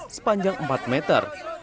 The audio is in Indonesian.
sepanjang empat meter